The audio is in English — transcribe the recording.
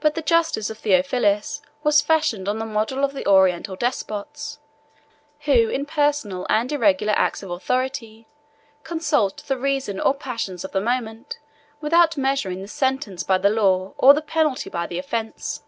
But the justice of Theophilus was fashioned on the model of the Oriental despots, who, in personal and irregular acts of authority, consult the reason or passion of the moment, without measuring the sentence by the law, or the penalty by the offense.